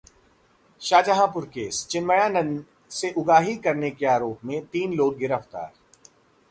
Shahjahanpur case: Chinmayanand से उगाही करने के आरोप में तीन लोग गिरफ्तार